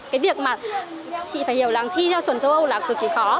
cái việc mà chị phải hiểu là thi theo chuẩn châu âu là cực kỳ khó